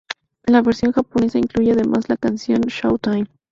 La versión japonesa incluye además la canción "Showtime".